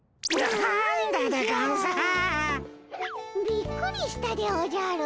びっくりしたでおじゃる。